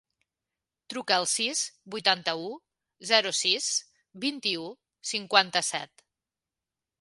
Truca al sis, vuitanta-u, zero, sis, vint-i-u, cinquanta-set.